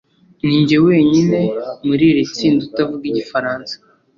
ninjye wenyine muri iri tsinda utavuga igifaransa